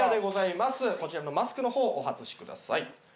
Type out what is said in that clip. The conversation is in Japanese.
こちらのマスクの方をお外しください。